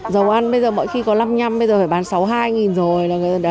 giàu ăn bây giờ mỗi khi có năm năm bây giờ phải bán sáu hai nghìn rồi